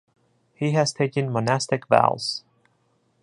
He has taken monastic vows.